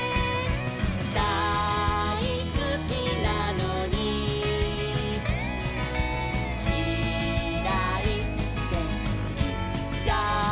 「だいすきなのにキライっていっちゃう」